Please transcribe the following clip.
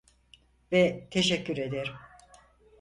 Ve teşekkür ederim.